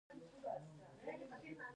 آیا د څرمنې د پروسس فابریکې شته؟